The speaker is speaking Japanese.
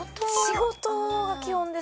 仕事が基本ですね。